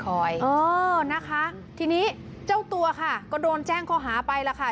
เออนะคะทีนี้เจ้าตัวค่ะก็โดนแจ้งข้อหาไปแล้วค่ะ